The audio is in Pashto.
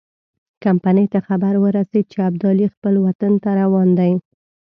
کمپنۍ ته خبر ورسېد چې ابدالي خپل وطن ته روان دی.